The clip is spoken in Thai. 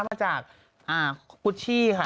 มาจากกุชชี่ค่ะ